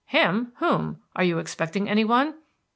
"Him? Whom? Are you expecting any one?"